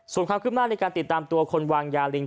ส่วนความคืบหน้าในการติดตามตัวคนวางยาลิง